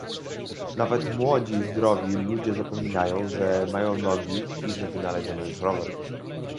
Nawet młodzi i zdrowi ludzie zapominają, że mają nogi i że wynaleziono już rower